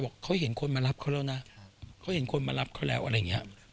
เขาเห็นคนมารับเขาแล้วนะเขาเห็นคนมารับเขาแล้วอะไรอย่างนี้